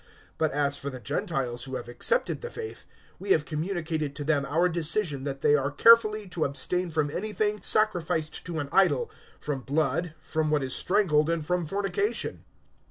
021:025 But as for the Gentiles who have accepted the faith, we have communicated to them our decision that they are carefully to abstain from anything sacrificed to an idol, from blood, from what is strangled, and from fornication."